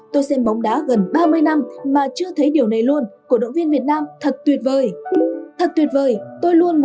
tôi xem bóng đá gần ba mươi năm mà chưa thấy điều này luôn cổ động viên việt nam thật tuyệt vời